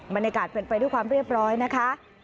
บรรยากาศเป็นไปด้วยความเรียบร้อยนะคะ